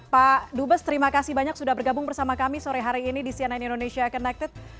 pak dubes terima kasih banyak sudah bergabung bersama kami sore hari ini di cnn indonesia connected